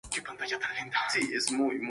Actualmente vive en Hale, Trafford.